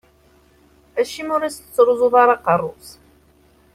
Acimi ur as-tettruẓuḍ ara aqerru-s?